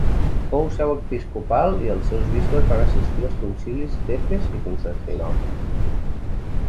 Fou seu episcopal i els seus bisbes van assistir als concilis d'Efes i Constantinoble.